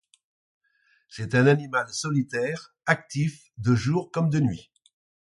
C'est un animal solitaire, actif de jour comme de nuit.